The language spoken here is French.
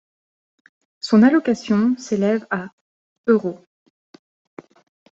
Son allocation s'élève à €.